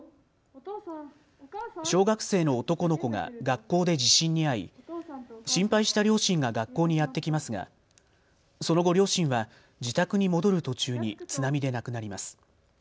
小学生の男の子が学校で地震に遭い、心配した両親が学校にやって来ますがその後、両親は自宅に戻る途中に津波で亡くなります。